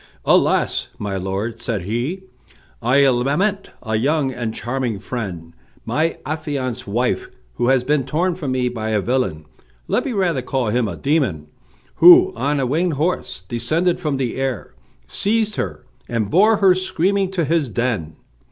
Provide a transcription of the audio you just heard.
"Alas! my lord," said he, "I lament a young and charming friend, my affianced wife, who has been torn from me by a villain, let me rather call him a demon, who, on a winged horse, descended from the air, seized her, and bore her screaming to his den.